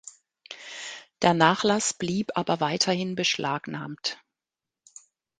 Der Nachlass blieb aber weiterhin beschlagnahmt.